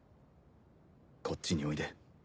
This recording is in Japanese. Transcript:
こっちにおいで。